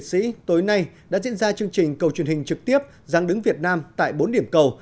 chương trình cầu truyền hình trực tiếp giáng đứng việt nam tại bốn điểm cầu